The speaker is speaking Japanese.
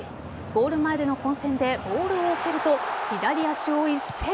ゴール前での混戦でボールを受けると左足を一閃。